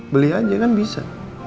beli aja kan bisa